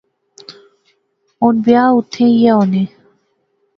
ہن بیاۃ اوتھیں ایہہ ہونے